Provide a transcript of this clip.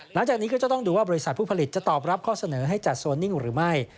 หลังจากนี้ก็จะต้องดูว่าบริษัทผู้ผลิตจะตอบรับข้อเสนอให้จัดโซนนิ่งหรือไม่